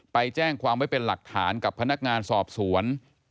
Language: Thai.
ไปแจ้งความไว้เป็นหลักฐานกับพนักงานสอบสวน